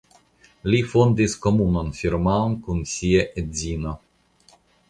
Li fondis komunan firmaon kun sia edzino.